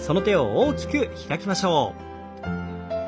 大きく開きましょう。